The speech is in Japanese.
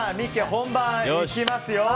本番いきますよ。